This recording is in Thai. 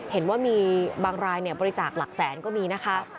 เห็นว่ามีบางรายบริจาคหลักแสนก็มีนะคะ